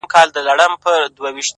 زموږه مرديت لکه عادت له مينې ژاړي _